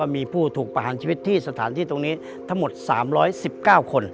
มีผู้ถูกประหารชีวิตที่สถานที่ตรงนี้ทั้งหมด๓๑๙คน